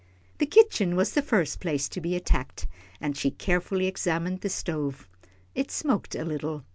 The kitchen was the first place to be attacked, and she carefully examined the stove. It smoked a little.